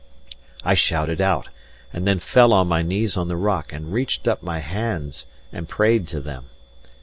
I shouted out, and then fell on my knees on the rock and reached up my hands and prayed to them.